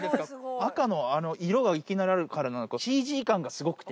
赤の色がいきなりあるからなのか、ＣＧ感がすごくて。